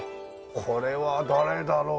これは誰だろう？